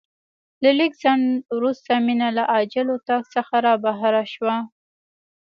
له لږ ځنډ وروسته مينه له عاجل اتاق څخه رابهر شوه.